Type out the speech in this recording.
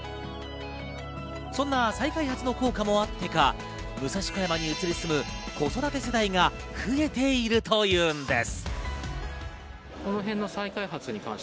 そんな再開発の効果もあってか武蔵小山に移り住む子育て世代が増えているというんです。